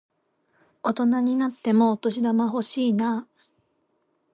大人になってもお年玉欲しいなぁ。